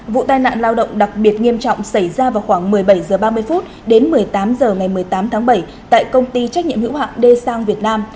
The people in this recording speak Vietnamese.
vụ tai nạn lao động đặc biệt nghiêm trọng xảy ra vào khoảng một mươi bảy h ba mươi đến một mươi tám h ngày một mươi tám tháng bảy tại công ty trách nhiệm hữu hạng d sang việt nam